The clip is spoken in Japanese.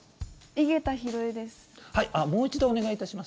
井桁弘恵です。